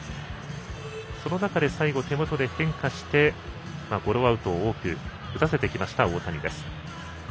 その中で最後、手元で変化してゴロアウトを多く打たせてきました大谷です。